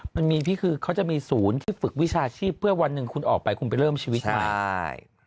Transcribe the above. มันมีพี่คือเขาจะมีศูนย์ที่ฝึกวิชาชีพเพื่อวันหนึ่งคุณออกไปคุณไปเริ่มชีวิตใหม่ใช่